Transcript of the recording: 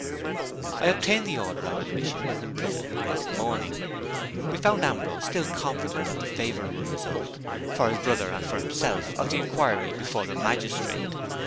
I obtained the order of admission to the prison the next morning. We found Ambrose still confident of the favorable result, for his brother and for himself, of the inquiry before the magistrate.